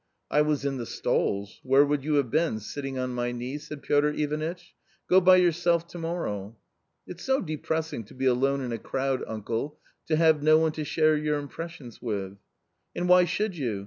'' I was in the stalls. Where would you have been, sitting on my knee ?" said Piotr I vanitch. " Go by yourself to morrow," " It's so depressing to be alone in a crowd, uncle, to have no one to share your impressions with." " And why should you?